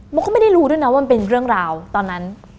เขาก็ไม่ได้รู้ด้วยนะว่ามันเป็นเรื่องราวตอนนั้น